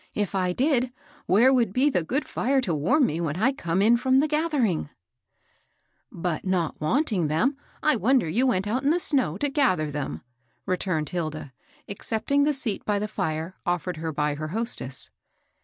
If I did, where wonld be the good fire to warm me when I come in firom the gathering ?"" But, not wanting them, I wonder you went out in the snow to gather them," returned Hilda, accepting the seat by the fire offered her by her hostess.